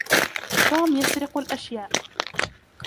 توم يسرق الاشياء.